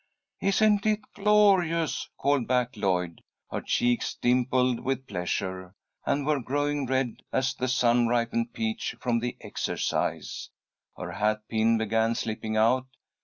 '" "Isn't it glorious?" called back Lloyd. Her cheeks dimpled with pleasure, and were growing red as a sun ripened peach from the exercise. Her hat pin began slipping out.